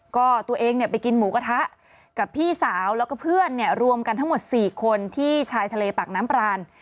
ก็ตัวเองเนี่ยไปกินหมูกระทะกับพี่สาวแล้วก็เพื่อนเนี่ยรวมกันทั้งหมด๔คนที่ชายทะเลปากน้ำปราน